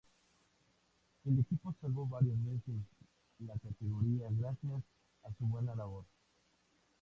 El equipo salvó varias veces la categoría gracias a su buena labor.